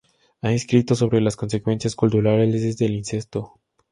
Ha escrito sobre las consecuencias culturales del incesto.